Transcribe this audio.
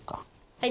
はい。